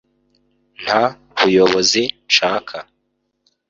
nta buyobozi nshaka